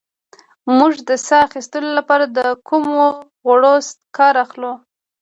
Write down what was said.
موږ د ساه اخیستلو لپاره له کومو غړو کار اخلو